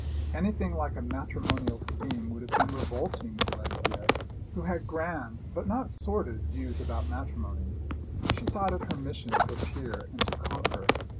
Anything like a matrimonial scheme would have been revolting to Lesbia, who had grand, but not sordid views about matrimony. She thought it her mission to appear and to conquer.